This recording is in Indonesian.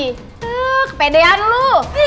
tuh kepedean kamu